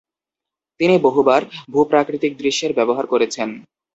তিনি বহুবার ভূপ্রাকৃতিকদৃশ্যের ব্যবহার করেছেন।